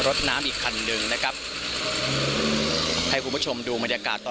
รถน้ำอีกคันหนึ่งนะครับให้คุณผู้ชมดูบรรยากาศตอน